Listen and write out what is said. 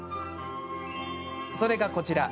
それが、こちら。